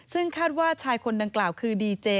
ซึ่งคาดว่าชายคนดังกล่าวคือดีเจ